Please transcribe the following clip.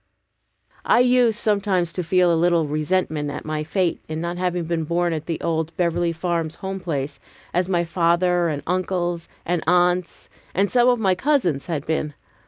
I used sometimes to feel a little resentment at my fate in not having been born at the old Beverly Farms home place, as my father and uncles and aunts and some of my cousins had been.